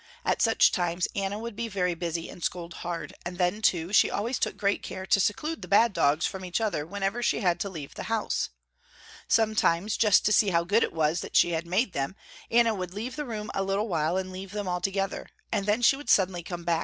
At such times Anna would be very busy and scold hard, and then too she always took great care to seclude the bad dogs from each other whenever she had to leave the house. Sometimes just to see how good it was that she had made them, Anna would leave the room a little while and leave them all together, and then she would suddenly come back.